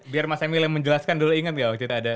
biar mas emil yang menjelaskan dulu ingat gak waktu itu ada